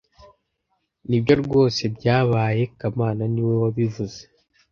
Nibyo rwose byabaye kamana niwe wabivuze